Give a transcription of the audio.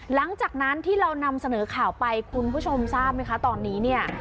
หลังจากนั้นที่เรานำเสนอข่าวไปคุณผู้ชมทราบไหมคะตอนนี้เนี่ย